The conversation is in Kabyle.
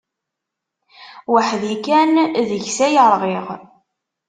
Weḥd-i kan deg-s ay rɣiɣ.